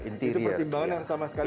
itu pertimbangan yang sama sekali